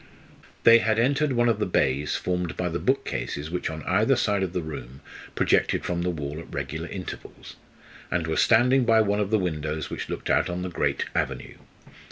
They had entered one of the bays formed by the bookcases which on either side of the room projected from the wall at regular intervals, and were standing by one of the windows which looked out on the great avenue.